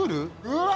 うわ！